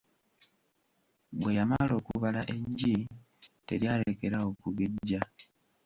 Bwe yamala okubala eggi teryalekera awo kugejja.